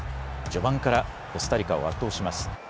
序盤からコスタリカを圧倒します。